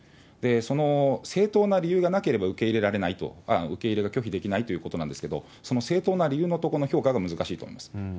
その正当な理由がなければ受け入れられない、受け入れが拒否できないということなんですけれども、その正当な理由のところの評価が難しいと思います。